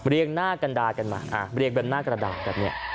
หน้ากันดากันมาเรียงเป็นหน้ากระดาษแบบนี้